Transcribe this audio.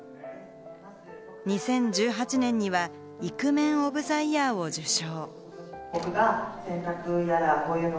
２０１８年には「イクメンオブザイヤー」を受賞。